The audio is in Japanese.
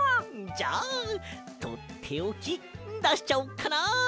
じゃあとっておきだしちゃおっかな。